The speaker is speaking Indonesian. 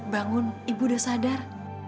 bangun ibu udah sadar